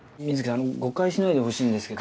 あの誤解しないでほしいんですけど。